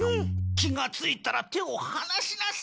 気がついたら手をはなしなさい！